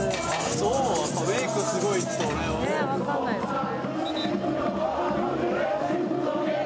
そうやっぱメイクすごいと分かんないですよね